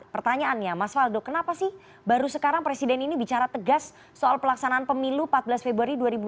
pertanyaannya mas waldo kenapa sih baru sekarang presiden ini bicara tegas soal pelaksanaan pemilu empat belas februari dua ribu dua puluh